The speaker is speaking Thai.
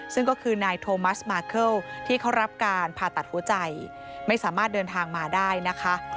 ซึ่งก็คือนายโทมัสมาเคิลที่เขารับการผ่าตัดหัวใจไม่สามารถเดินทางมาได้นะคะ